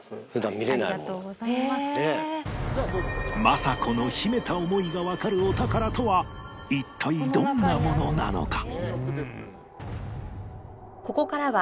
政子の秘めた思いがわかるお宝とは一体どんなものなのか？